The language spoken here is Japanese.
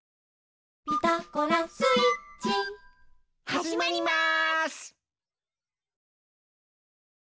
はじまります！